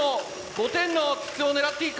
５点の筒を狙っていく。